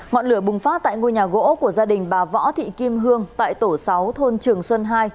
ngọn lửa bùng phát tại ngôi nhà gỗ của gia đình bà võ thị kim hương tại tổ sáu thôn trường xuân hai